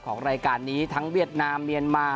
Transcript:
ของรายการนี้ทั้งเวียดนามเมียนมา